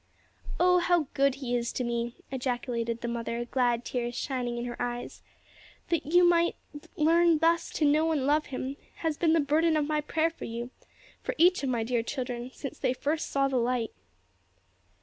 '" "Oh, how good He is to me!" ejaculated the mother, glad tears shining in her eyes: "that you might learn thus to know and love Him has been the burden of my prayer for you for each of my dear children since they first saw the light."